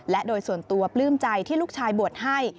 และโดยส่วนตัวปลื้มใจที่ลูกชายบวชให้